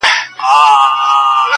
په هغه شپه له پاچا سره واده سوه،